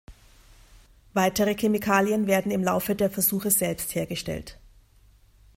Weitere Chemikalien werden im Laufe der Versuche selbst hergestellt.